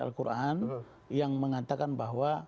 al quran yang mengatakan bahwa